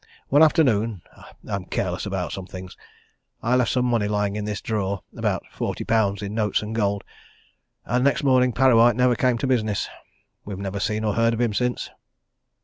One afternoon I'm careless about some things I left some money lying in this drawer about forty pounds in notes and gold and next morning Parrawhite never came to business. We've never seen or heard of him since."